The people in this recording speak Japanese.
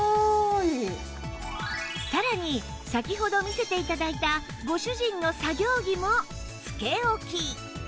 さらに先ほど見せて頂いたご主人の作業着もつけ置き